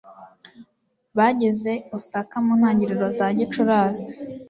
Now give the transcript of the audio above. Bageze i Osaka mu ntangiriro za Gicurasi.